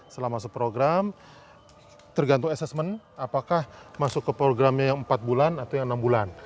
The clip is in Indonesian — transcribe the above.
setelah masuk program tergantung assessment apakah masuk ke programnya yang empat bulan atau yang enam bulan